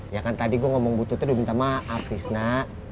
ya kan tadi gua ngomong butuh tuh dia minta maaf disna